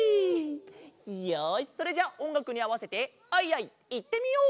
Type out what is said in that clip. よしそれじゃあおんがくにあわせて「アイアイ」いってみよう！